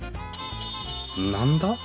何だ？